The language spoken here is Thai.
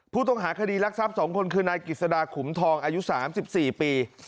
ผู้ต้องหาคดีรักทรัพย์๒คนคือนายกิจสดาขุมทองอายุ๓๔ปี